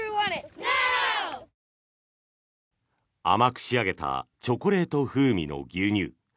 甘く仕上げたチョコレート風味の牛乳。